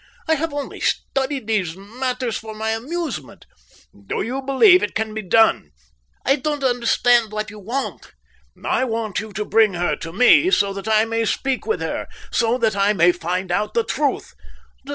I have only studied these matters for my amusement." "Do you believe it can be done?" "I don't understand what you want." "I want you to bring her to me so that I may speak with her, so that I may find out the truth."